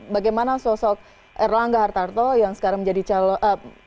bagaimana sosok erlangga hartanto yang sekarang menjadi ciptaan